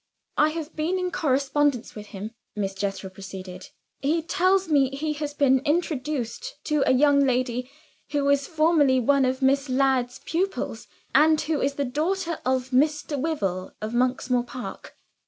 "I have been in correspondence with him," Miss Jethro proceeded. "He tells me he has been introduced to a young lady, who was formerly one of Miss Ladd's pupils, and who is the daughter of Mr. Wyvil, of Monksmoor Park.